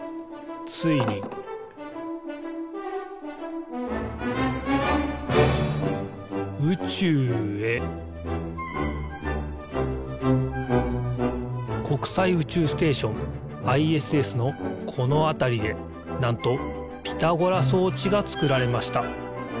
ついに宇宙へ国際宇宙ステーションＩＳＳのこのあたりでなんとピタゴラそうちがつくられました。